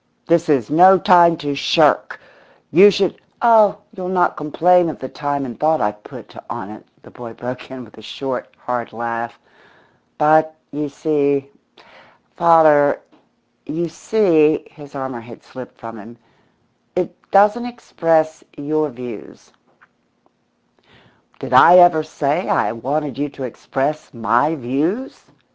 This is no time to shirk! You should " "Oh, you'll not complain of the time and thought I've put on it," the boy broke in with a short, hard laugh. "But, you see, father you see" his armour had slipped from him "it doesn't express your views." "Did I ever say I wanted you to express 'my views'?